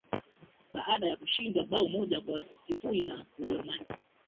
Baada ya kushindwa bao moja kwa sifuri na Ujerumani